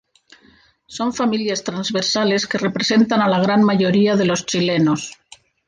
Son familias transversales que representan a la gran mayoría de los chilenos.